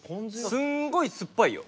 すんごい酸っぱいよ。